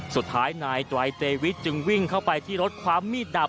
สุดท้ายนายไตรเจวิทจึงวิ่งเข้าไปที่รถความมีดดับ